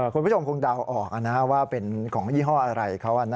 คุณผู้ชมคงเดาออกว่าเป็นของยี่ห้ออะไรเขา